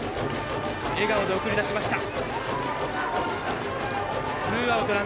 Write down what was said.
笑顔で送り出しました。